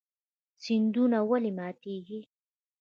سیندونه ولې ماتیږي؟